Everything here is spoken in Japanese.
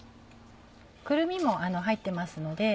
くるみも入ってますので。